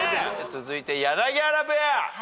続いて柳原ペア。